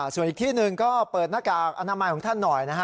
ส่วนอีกที่หนึ่งก็เปิดหน้ากากอนามัยของท่านหน่อยนะฮะ